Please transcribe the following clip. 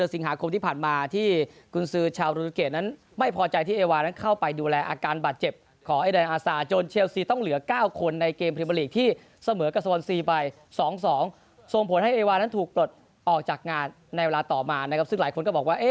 สองส่งผลให้เอวานนท์ถูกปลดออกจากงานในเวลาต่อมาซึ่งหลายคนก็บอกว่า